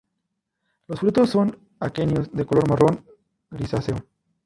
Los frutos son aquenios de color marrón grisáceo.